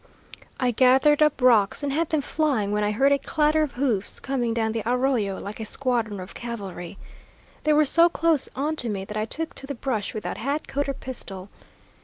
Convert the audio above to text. I gathered up rocks and had them flying when I heard a clatter of hoofs coming down the arroyo like a squadron of cavalry. They were so close on to me that I took to the brush, without hat, coat, or pistol.